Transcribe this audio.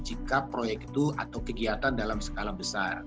jika proyek itu atau kegiatan dalam skala besar